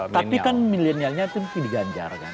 tapi kan milenialnya itu mesti diganjar kan